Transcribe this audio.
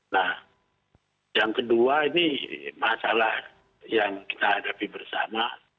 nah yang kedua ini masalah yang kita hadapi bersama